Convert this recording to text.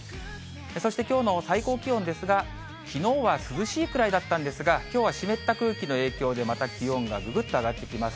そしてきょうの最高気温ですが、きのうは涼しいくらいだったんですが、きょうは湿った空気の影響で、また気温がぐぐっと上がってきます。